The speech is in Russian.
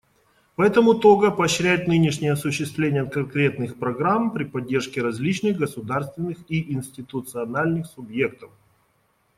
Поэтому Того поощряет нынешнее осуществление конкретных программ при поддержке различных государственных и институциональных субъектов.